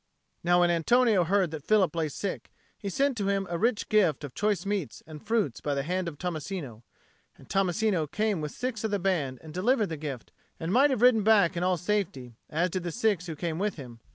Now when Antonio heard that Philip lay sick, he sent to him a rich gift of choice meats and fruits by the hand of Tommasino. And Tommasino came with six of the band and delivered the gift, and might have ridden back in all safety, as did the six who came with him.